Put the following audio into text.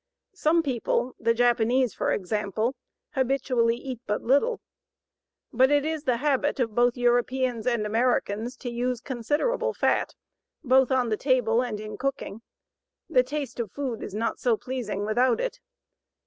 Some people, the Japanese for example, habitually eat but little. But it is the habit of both Europeans and Americans to use considerable fat both on the table and in cooking. The taste of food is not so pleasing without it.